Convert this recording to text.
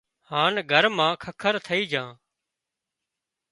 هانَ گھر مان ککر ٿئي جھان